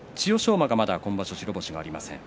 馬が今場所白星がありません。